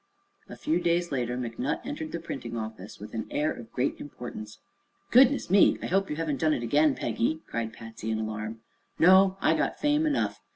A few days later McNutt entered the printing office with an air of great importance. "Goodness me! I hope you haven't done it again, Peggy," cried Patsy, in alarm. "No; I got fame enough.